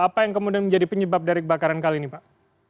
apa yang kemudian menjadi penyebab dari kebakaran kali ini pak